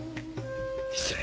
失礼。